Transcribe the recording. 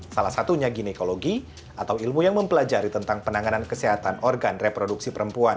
salah satunya ginekologi atau ilmu yang mempelajari tentang penanganan kesehatan organ reproduksi perempuan